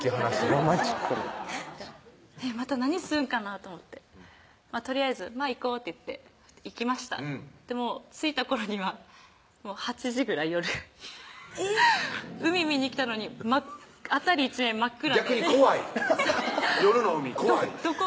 ロマンチックなまた何するんかなと思ってとりあえず「行こう」って言って行きましたでも着いた頃にはもう８時ぐらい夜えぇっ海見に来たのに辺り一面真っ暗で逆に怖い夜の海怖いどこ？